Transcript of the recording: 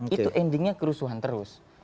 itu endingnya kerusuhan terus